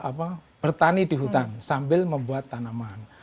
akses untuk bertani di hutan sambil membuat tanaman